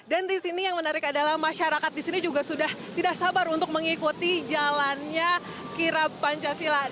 dan di sini yang menarik adalah masyarakat di sini juga sudah tidak sabar untuk mengikuti jalannya kiram pancasila